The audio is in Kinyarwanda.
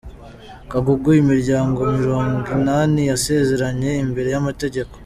Kagugu imiryango mirongwinani yasezeranye imbere y’amategeko